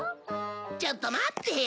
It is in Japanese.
ちょっと待ってよ！